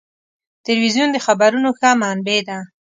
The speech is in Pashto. تلویزیون د خبرونو ښه منبع ده.